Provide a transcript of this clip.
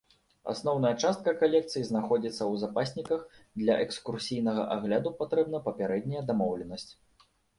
Асноўная частка калекцыі знаходзіцца ў запасніках, для экскурсійнага агляду патрэбна папярэдняя дамоўленасць.